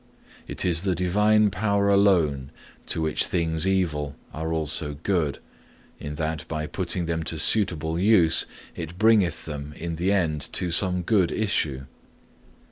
It is the Divine power alone to which things evil are also good, in that, by putting them to suitable use, it bringeth them in the end to some good issue.